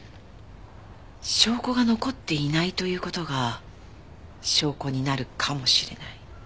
証拠が残っていないという事が証拠になるかもしれない。